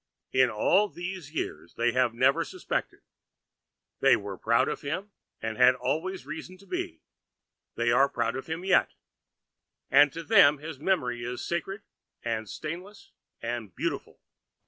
In all these years they have never suspected. They were proud of him and had always reason to be; they are proud of him yet, and to them his memory is sacred and stainless and beautiful.'